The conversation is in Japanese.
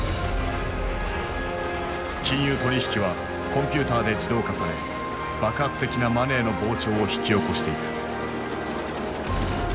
金融取引はコンピューターで自動化され爆発的なマネーの膨張を引き起こしていく。